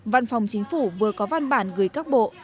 văn phòng chính phủ vừa có văn bản gửi các bộ